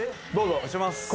押します。